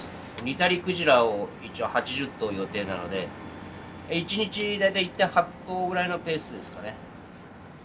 ニタリクジラを一応８０頭予定なので一日大体１．８頭ぐらいのペースですかね。